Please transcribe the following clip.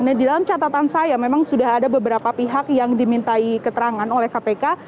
nah di dalam catatan saya memang sudah ada beberapa pihak yang dimintai keterangan oleh kpk